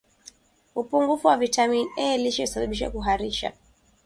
upungufu wa vitamini A lishe husababisha kuharisha